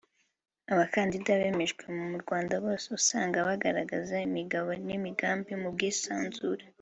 Abakandida bemejwe mu Rwanda bose usanga bagaragaza imigabo n’imigambi mu bwisanzure